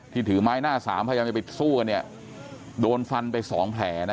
ถือไม้หน้าสามพยายามจะไปสู้กันเนี่ยโดนฟันไปสองแผลนะ